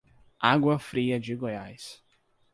Água Fria de Goiás